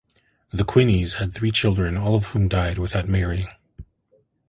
The Quineys had three children, all of whom died without marrying.